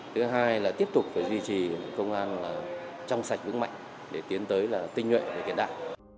thứ hai là tiếp tục phải duy trì công an trong sạch vững mạnh để tiến tới tinh nguyện và kiến đại